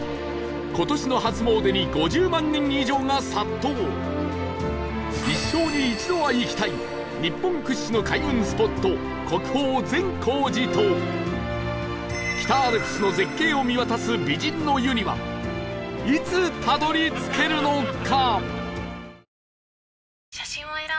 今年の初詣に５０万人以上が殺到一生に一度は行きたい日本屈指の開運スポット国宝善光寺と北アルプスの絶景を見渡す美人の湯にはいつたどり着けるのか？